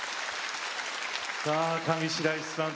さあ上白石さん